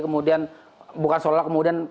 kemudian bukan seolah olah kemudian